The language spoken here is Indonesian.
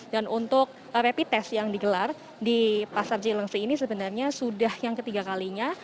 dan untuk rapi tes yang digelar di pasar cilangsi ini sebenarnya sudah yang ketiga kalinya